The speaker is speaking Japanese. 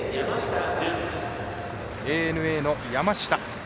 ＡＮＡの山下。